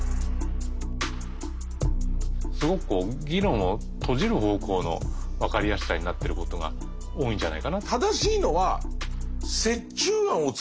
すごくこう議論を閉じる方向の「わかりやすさ」になってることが多いんじゃないかな。